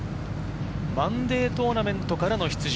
マンデートーナメントからの出場。